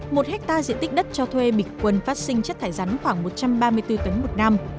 một hectare diện tích đất cho thuê bịch quân phát sinh chất thải rắn khoảng một trăm ba mươi bốn tấn một năm